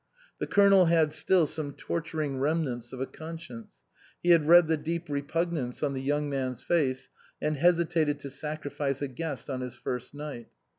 The Colonel had still some torturing remnants of a conscience ; he had read the deep repugnance on the young man's face, and hesitated to sacrifice a guest on his first night.